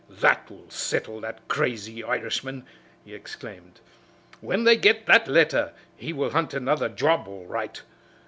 "That will settle that crazy Irishman!" he exclaimed. "When they get that letter he will hunt another job, all right!"